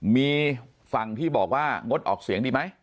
มีฝั่งที่บอกว่างดออกเสียงดีไหม